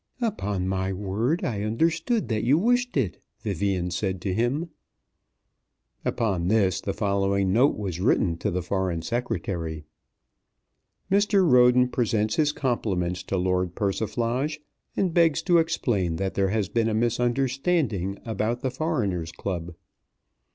"Upon my word I understood that you wished it," Vivian said to him. Upon this the following note was written to the Foreign Secretary. Mr. Roden presents his compliments to Lord Persiflage, and begs to explain that there has been a misunderstanding about the Foreigners' Club.